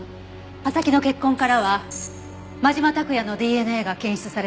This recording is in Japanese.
刃先の血痕からは真島拓也のＤＮＡが検出されたわ。